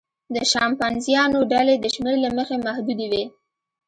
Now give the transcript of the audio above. د شامپانزیانو ډلې د شمېر له مخې محدودې وي.